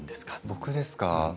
僕ですか？